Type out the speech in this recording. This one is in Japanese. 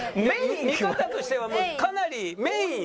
見方としてはもうかなりメインよ。